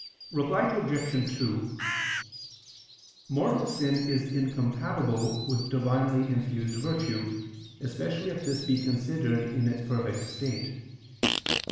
Reply Obj. 2: Mortal sin is incompatible with divinely infused virtue, especially if this be considered in its perfect state.